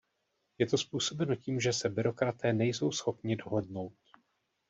Je to způsobeno tím, že se byrokraté nejsou schopni dohodnout.